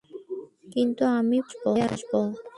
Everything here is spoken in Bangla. কিন্তু আমি পরে আসবো।